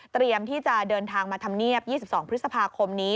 ที่จะเดินทางมาทำเนียบ๒๒พฤษภาคมนี้